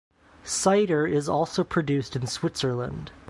Cidre is also produced in Switzerland.